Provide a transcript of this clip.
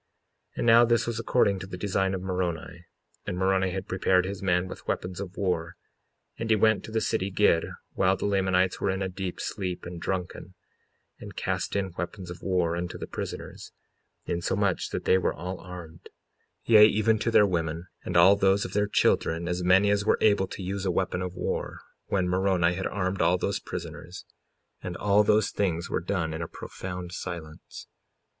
55:16 And now this was according to the design of Moroni. And Moroni had prepared his men with weapons of war; and he went to the city Gid, while the Lamanites were in a deep sleep and drunken, and cast in weapons of war unto the prisoners, insomuch that they were all armed; 55:17 Yea, even to their women, and all those of their children, as many as were able to use a weapon of war, when Moroni had armed all those prisoners; and all those things were done in a profound silence.